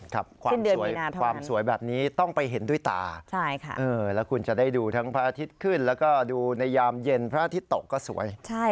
ครับความสวยแบบนี้ต้องไปเห็นด้วยตาแล้วคุณจะได้ดูทั้งพระอาทิตย์ขึ้นแล้วก็ดูในยามเย็นพระอาทิตย์ตกก็สวย